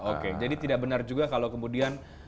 oke jadi tidak benar juga kalau kemudian